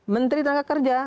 menteri tenaga kerja